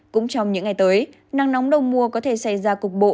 cũng trong những ngày tới nắng nóng đầu mùa có thể xảy ra cục bộ